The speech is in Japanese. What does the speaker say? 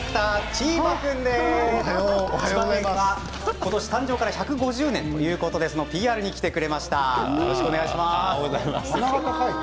千葉県は今年、誕生から１５０年ということでそのＰＲに来てくれました。